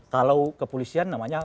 kalau kepolisian namanya